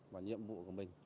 và nhiệm vụ của mình